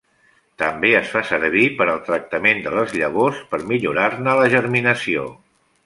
També es fa servir per al tractament de les llavors per millorar-ne la germinació.